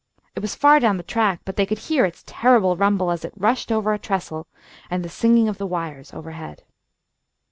It was far down the track but they could hear its terrible rumble as it rushed over a trestle, and the singing of the wires overhead.